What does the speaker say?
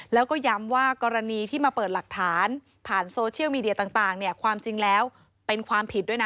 แล้วก็ย้ำว่ากรณีที่มาเปิดหลักฐานผ่านโซเชียลมีเดียต่างเนี่ยความจริงแล้วเป็นความผิดด้วยนะ